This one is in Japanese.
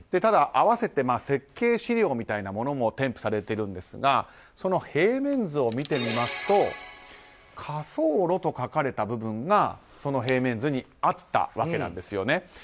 合わせて設計資料みたいなものも添付されているんですがその平面図を見てみますと火葬炉と書かれた部分がその平面図にあったわけなんです。